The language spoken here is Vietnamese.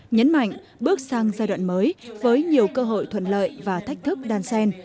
nhấn mạnh bước sang giai đoạn mới với nhiều cơ hội thuận lợi và thách thức đan sen